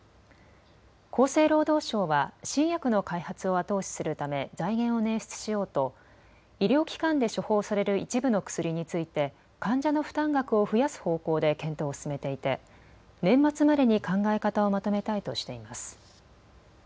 厚生労働省は新薬の開発を後押しするため財源を捻出しようと医療機関で処方される一部の薬について患者の負担額を増やす方向で検討を進めていて年末までに考え方をまとめたいとしています。